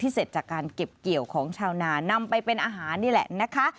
เสร็จจากการเก็บเกี่ยวของชาวนานำไปเป็นอาหารนี่แหละนะคะ